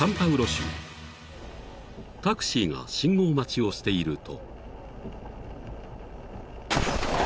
［タクシーが信号待ちをしていると］